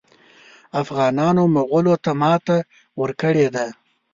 افغانانو مغولو ته ماته ورکړې ده.